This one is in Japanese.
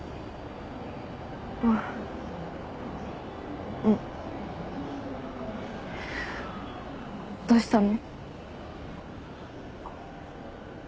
あぁうん。どうしたの？